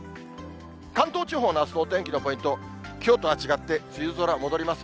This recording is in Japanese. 関東地方のあすのお天気のポイント、きょうとは違って、梅雨空戻ります。